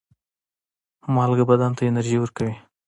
مالګه بدن ته انرژي ورکوي.